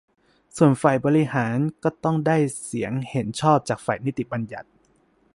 ส่วนฝ่ายบริหารก็ต้องได้เสียงเห็นชอบจากฝ่ายนิติบัญญัติ